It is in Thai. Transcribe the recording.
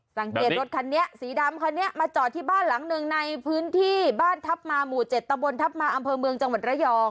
สังเกตรถคันนี้สีดำคันนี้มาจอดที่บ้านหลังหนึ่งในพื้นที่บ้านทัพมาหมู่๗ตะบนทัพมาอำเภอเมืองจังหวัดระยอง